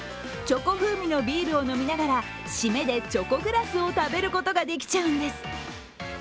チョコ風味のビールを飲みながら締めでチョコグラスを食べることができちゃうんです。